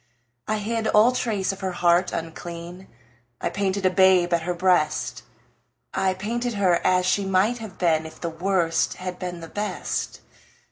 I hid all trace of her heart unclean; I painted a babe at her breast; I painted her as she might have been If the Worst had been the Best.